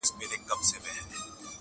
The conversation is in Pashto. o زوړ غزل له نوي تغیراتو سره؟,